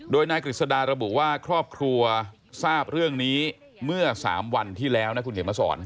โดยนายกฤษฎาระบุว่าครอบครัวทราบเรื่องนี้เมื่อ๓วันที่แล้วนะคุณเขียนมาสอน